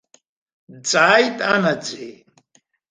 Дҵааит анаӡӡеи.